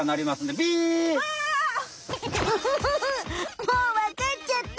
もうわかっちゃった！